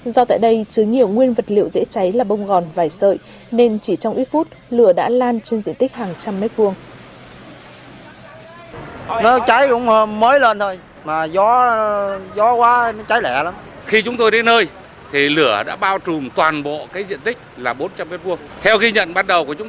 do tại đây chứa nhiều nguyên vật liệu dễ cháy là bông gòn vài sợi nên chỉ trong ít phút lửa đã lan trên diện tích hàng trăm mét vuông